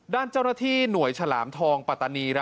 ด้านเจ้าหน้าที่หน่วยฉลามทองปัตตานี